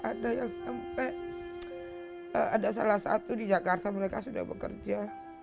ada yang sampai ada salah satu di jakarta mereka sudah bekerja